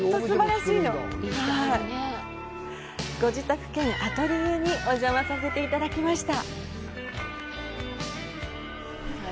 ご自宅兼アトリエにお邪魔させていただきました。